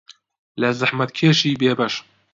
لە زەحمەتکێشی بێبەش